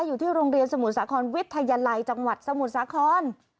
อยู่ที่โรงเรียนสมุทรสาครวิทยาลัยจังหวัดสมุทรสาคร